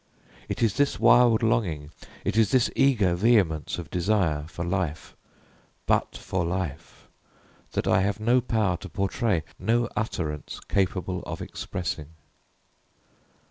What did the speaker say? It is this wild longing it is this eager vehemence of desire for life but for life that I have no power to portray no utterance capable of expressing.